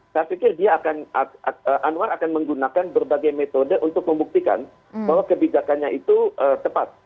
saya pikir dia akan anwar akan menggunakan berbagai metode untuk membuktikan bahwa kebijakannya itu tepat